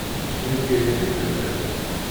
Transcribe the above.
Deg Bgayet i tellam.